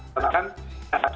tidak akan diangkat